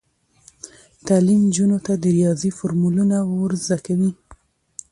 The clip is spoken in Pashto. تعلیم نجونو ته د ریاضي فورمولونه ور زده کوي.